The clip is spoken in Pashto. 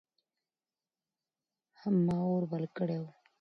ما اور بل کړی و.